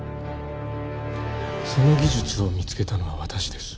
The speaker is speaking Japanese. その技術を見つけたのは私です